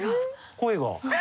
声が。